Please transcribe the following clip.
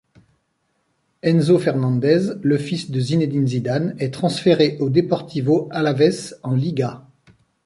Enzo Fernández, le fils de Zinédine Zidane, est transféré au Deportivo Alavès en Liga.